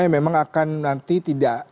yang memang akan nanti tidak